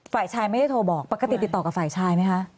ฝ่ายชายไม่ได้โทรบอกปกติติดต่อกับฝ่ายชายไหมคะ